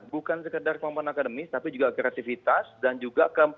bukan sekedar kemampuan akademis tapi juga kreativitas dan juga kemampuan